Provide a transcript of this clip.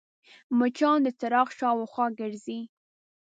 مچان د څراغ شاوخوا ګرځي